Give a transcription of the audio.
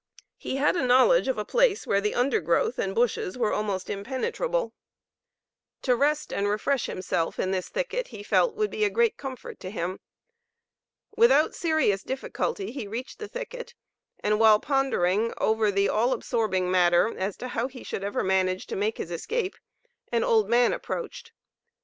He had knowledge of a place where the undergrowth and bushes were almost impenetrable. To rest and refresh himself in this thicket he felt would be a great comfort to him. Without serious difficulty he reached the thicket, and while pondering over the all absorbing matter as to how he should ever manage to make his escape, an old man approached.